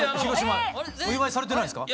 お祝いされてないですか？